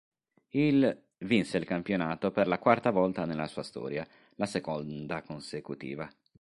Il vinse il campionato per la quarta volta nella sua storia, la seconda consecutiva.